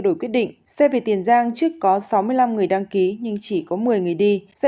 đổi quyết định xe về tiền giang trước có sáu mươi năm người đăng ký nhưng chỉ có một mươi người đi xe